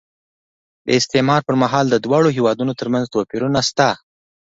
د استعمار پر مهال د دواړو هېوادونو ترمنځ توپیرونه شته.